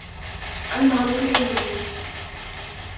আমি ভালুকে পরিণত হয়েছি।